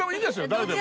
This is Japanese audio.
誰でも。